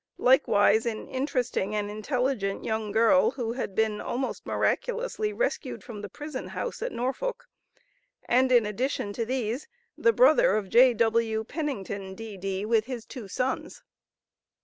Likewise an interesting and intelligent young girl who had been almost miraculously rescued from the prison house at Norfolk, and in addition to these, the brother of J.W. Pennington, D.D., with his two sons.